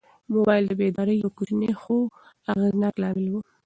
موبایل د بیدارۍ یو کوچنی خو اغېزناک لامل و.